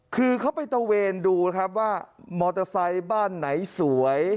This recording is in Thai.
คือเขาไปตะเวนดูนะครับว่ามอเตอร์ไซค์บ้านไหนสวย